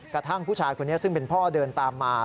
กระทั่งผู้ชายคนนี้ซึ่งเป็นพ่อเดินตามมา